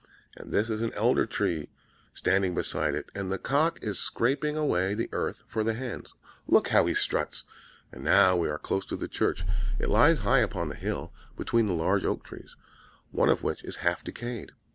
And there is an Elder Tree standing beside it; and the cock is scraping away the earth for the hens, look, how he struts! And now we are close to the church. It lies high upon the hill, between the large oak trees, one of which is half decayed.